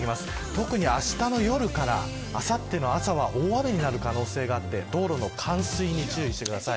特にあしたの夜からあさっての朝は大雨になる可能性があって、道路の冠水に注意してください。